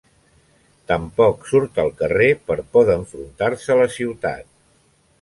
Tampoc surt al carrer per por d'enfrontar-se a la ciutat.